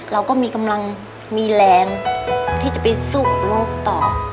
เราก็มีกำลังมีแรงที่จะไปสู้กับโรคต่อ